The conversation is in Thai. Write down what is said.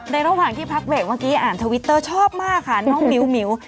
ระหว่างที่พักเบรกเมื่อกี้อ่านทวิตเตอร์ชอบมากค่ะน้องหมิว